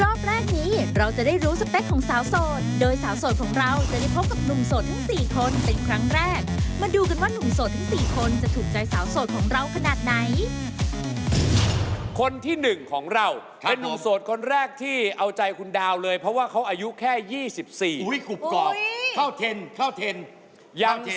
อ้ะไปทำความรู้จักกันเลยครับเชิญคุณน้อง